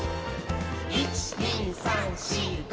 「１．２．３．４．５．」